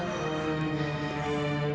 tuh tuh tuh